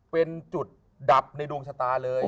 เป็นจุดดับในดวงชะตาเลย